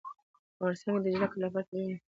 په افغانستان کې د جلګه لپاره طبیعي شرایط مناسب دي.